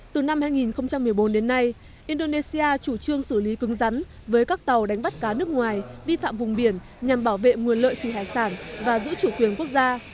từ năm hai nghìn một mươi bốn đến nay indonesia chủ trương xử lý cứng rắn với các tàu đánh bắt cá nước ngoài vi phạm vùng biển nhằm bảo vệ nguồn lợi thủy hải sản và giữ chủ quyền quốc gia